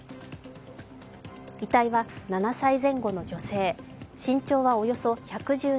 遺体は７歳前後の女性身長はおよそ１１７ｃｍ。